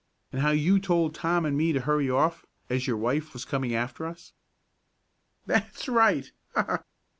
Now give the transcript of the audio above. And how you told Tom and me to hurry off, as your wife was coming after us." "That's right!